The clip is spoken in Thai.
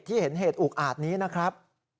ที่เห็นเหตุอุกอาจนี้นะครับ